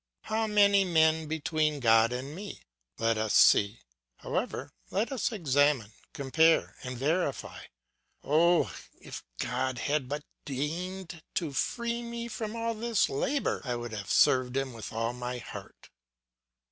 How many men between God and me! Let us see, however, let us examine, compare, and verify. Oh! if God had but deigned to free me from all this labour, I would have served him with all my heart.